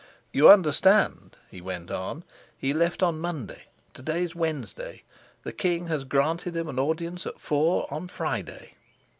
"You understand?" he went on. "He left on Monday. To day's Wednesday. The king has granted him an audience at four on Friday.